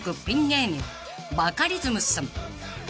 芸人バカリズムさん］